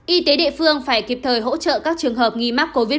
y tế địa phương phải kịp thời hỗ trợ các trường hợp nghi mắc covid một mươi chín